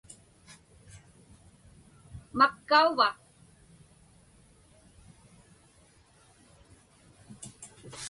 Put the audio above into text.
Makkauva?